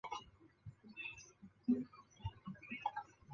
圣罗克迪米纳斯是巴西米纳斯吉拉斯州的一个市镇。